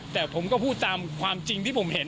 แต่ผมก็พูดตามความจริงที่ผมเห็น